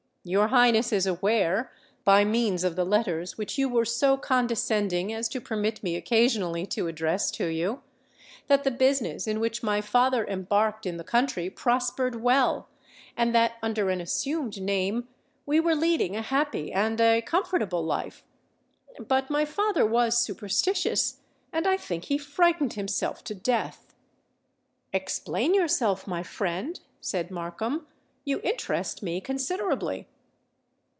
Your Highness is aware—by means of the letters which you were so condescending as to permit me occasionally to address to you—that the business in which my father embarked in the country prospered well, and that, under an assumed name, we were leading a happy and a comfortable life. But my father was superstitious; and I think he frightened himself to death." "Explain yourself, my friend," said Markham: "you interest me considerably."